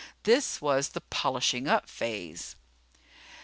This was the polishing up phase.